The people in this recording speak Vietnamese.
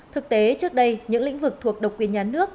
thực tế trước đây những lĩnh vực thuộc độc quyền nhà nước